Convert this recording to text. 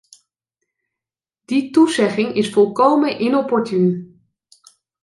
Die toezegging is volkomen inopportuun.